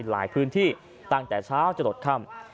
หลายพื้นที่ตั้งแต่เช้าจะหลดค่ำ